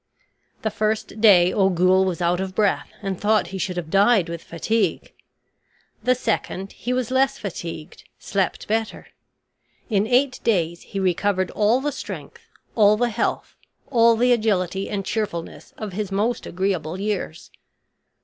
The first day Ogul was out of breath and thought he should have died with fatigue. The second he was less fatigued, slept better. In eight days he recovered all the strength, all the health, all the agility and cheerfulness of his most agreeable years.